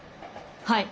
はい！